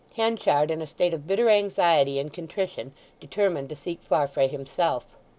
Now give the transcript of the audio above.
Henchard, in a state of bitter anxiety and contrition, determined to seek Farfrae himself.